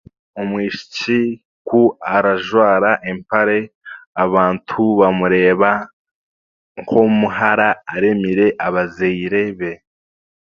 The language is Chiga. Omwishiki ku arajwara empare abantu bamureeba nk'omuhara aremire abazaire be.